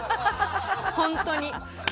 本当に！